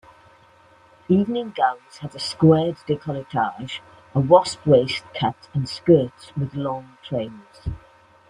Evening gowns had a squared decolletage, a wasp-waist cut and skirts with long trains.